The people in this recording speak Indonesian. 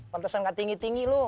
pantesan gak tinggi tinggi lu